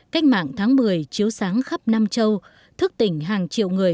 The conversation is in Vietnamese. cách mạng tháng một mươi chiếu sáng khắp nam châu thức tỉnh hàng triệu người